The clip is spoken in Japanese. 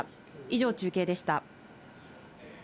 以上、中継でした。